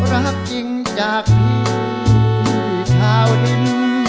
รับจริงจากที่เท่าดิน